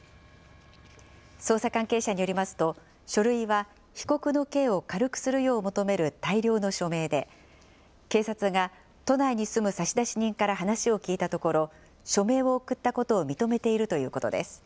捜査関係者によりますと、書類は被告の刑を軽くするよう求める大量の署名で、警察が都内に住む差出人から話を聞いたところ、署名を送ったことを認めているということです。